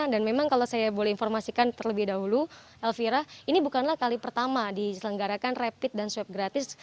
dan memang kalau saya boleh informasikan terlebih dahulu elvira ini bukanlah kali pertama diselenggarakan rapid dan swab gratis